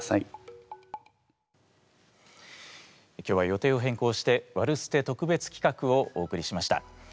今日は予定を変更して「ワルステ」特別企画をお送りしました。